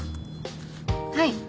はい。